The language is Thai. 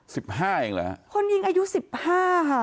สิบห้าอีกเหรอฮะโอ้โฮ